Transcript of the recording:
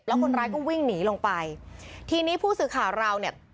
แล้วคนร้ายก็วิ่งหนีลงไปทีนี้ผู้สื่อข่าวเราเนี่ย